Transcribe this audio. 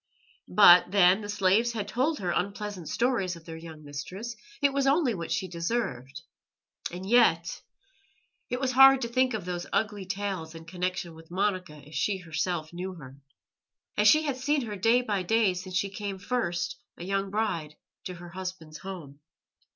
But then, the slaves had told her unpleasant stories of their young mistress; it was only what she deserved. And yet .... It was hard to think of those ugly tales in connection with Monica as she herself knew her as she had seen her day by day since she came first, a young bride, to her husband's home.